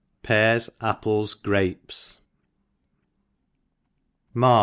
Pears . Apples Grapes H A I?